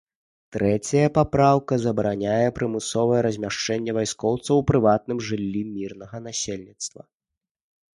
Трэцяя папраўка забараняе прымусовае размяшчэнне вайскоўцаў у прыватным жыллі мірнага насельніцтва.